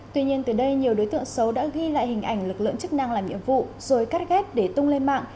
tuy nhiên từ đây nhiều đối tượng xấu đã ghi lại hình ảnh lực lượng chức năng làm nhiệm vụ rồi cắt ghép để tung lên mạng